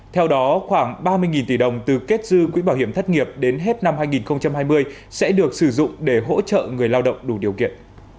theo đó khoảng ba mươi tỷ đồng từ kết dư quỹ bảo hiểm thất nghiệp đến hết năm hai nghìn hai mươi sẽ được sử dụng để hỗ trợ người lao động đủ điều kiện